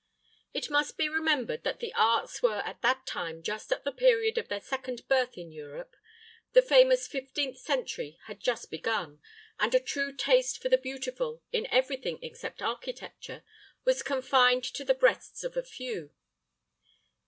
It must be remembered that the arts were at that time just at the period of their second birth in Europe; the famous fifteenth century had just begun, and a true taste for the beautiful, in every thing except architecture, was confined to the breasts of a few.